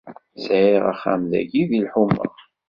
Sεiɣ axxam dayi deg lḥuma.